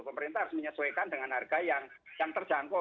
pemerintah harus menyesuaikan dengan harga yang terjangkau